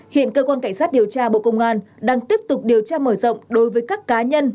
hiện cơ quan cảnh sát điều tra bộ công an đang tiếp tục điều tra mở rộng đối với các cá nhân